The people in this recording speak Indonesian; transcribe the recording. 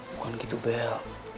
bukan gitu bel